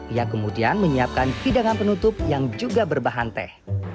ia kemudian menyiapkan hidangan penutup yang juga berbahan teh